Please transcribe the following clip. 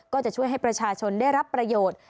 ก็จะช่วยให้ประชาชนได้รับประโยชน์